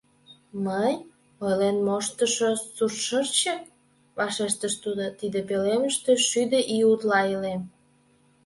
— Мый — Ойлен моштышо Суртшырчык, — вашештыш тудо, — тиде пӧлемыште шӱдӧ ий утла илем.